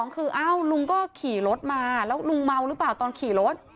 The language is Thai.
คือลุงก็ขี่รถมาแล้วลุงเมาหรือเปล่าตอนขี่รถ